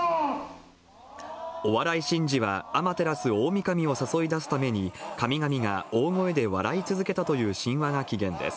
お笑い神事は、天照大御神を誘い出すために神々が大声で笑い続けたという神話が起源です。